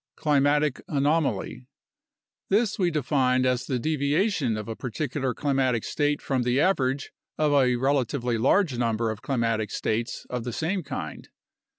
Climatic anomaly. This we define as the deviation of a particular climatic state from the average of a (relatively) large number of climatic states of the same kind.